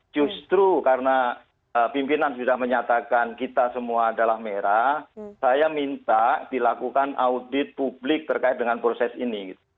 justru karena pimpinan sudah menyatakan kita semua adalah merah saya minta dilakukan audit publik terkait dengan proses ini